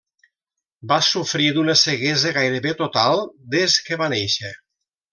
Va sofrir d'una ceguesa gairebé total des que va néixer.